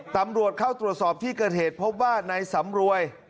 ตำรวจเข้าตรวจสอบที่เกิดเหตุพบว่าในสำรวย